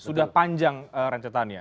sudah panjang rencetannya